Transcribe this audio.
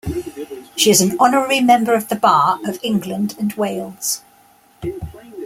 She is an honorary member of the Bar of England and Wales.